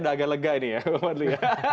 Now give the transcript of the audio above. udah agak lega ini ya bapak adli